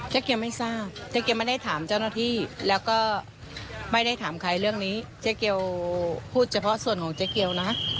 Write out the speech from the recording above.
เกียวไม่ทราบเจ๊เกียวไม่ได้ถามเจ้าหน้าที่แล้วก็ไม่ได้ถามใครเรื่องนี้เจ๊เกียวพูดเฉพาะส่วนของเจ๊เกียวนะ